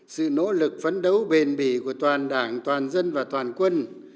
sự nỗ lực phấn đấu bền bỉ của toàn đảng toàn dân và toàn quân